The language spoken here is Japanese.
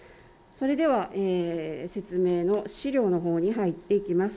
それでは説明の資料のほうに入っていきます。